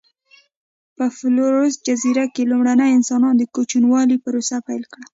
په فلورس جزیره کې لومړنیو انسانانو د کوچنیوالي پروسه پیل کړه.